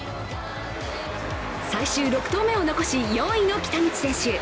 最終６投目を残し、４位の北口選手。